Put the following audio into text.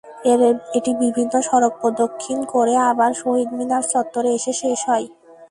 এটি বিভিন্ন সড়ক প্রদক্ষিণ করে আবার শহীদ মিনার চত্বরে এসে শেষ হয়।